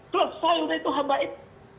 kalau saya udah itu habis